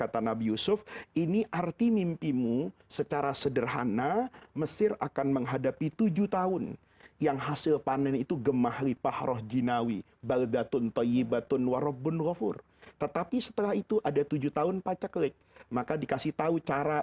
tidak bisa tidur